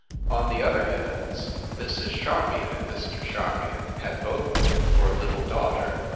On the other hands, Mrs. Charmion and Mr. Charmion had both hoped for a little daugh ter.